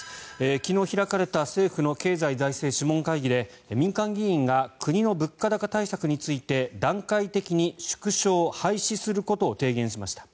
昨日開かれた政府の経済財政諮問会議で民間議員が国の物価高対策について段階的に縮小・廃止することを提言しました。